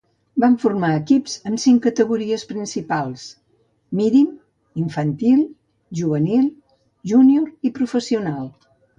Van formar equips en cinc categories principals: Mirim, Infantil, Juvenil, Junior i professional.